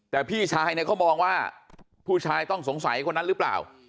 แต่พี่ชายเนี่ยเขามองว่าผู้ชายต้องสงสัยคนนั้นหรือเปล่า